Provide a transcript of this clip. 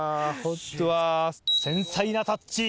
繊細なタッチ。